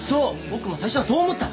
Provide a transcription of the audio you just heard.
僕も最初はそう思った。